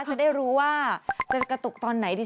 จะได้รู้ว่าจะกระตุกตอนไหนดี